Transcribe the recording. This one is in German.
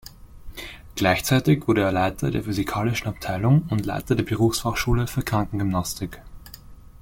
Gleichzeitig wurde er Leiter der physikalischen Abteilung und Leiter der Berufsfachschule für Krankengymnastik.